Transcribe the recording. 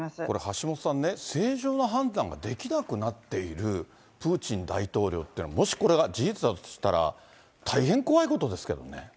これ、橋下さんね、正常な判断ができなくなっているプーチン大統領っていうのはもしこれが事実だとしたら、大変怖いことですけどね。